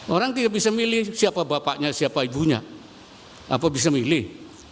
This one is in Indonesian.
orang tidak bisa milih siapa bapaknya siapa ibunya apa bisa milih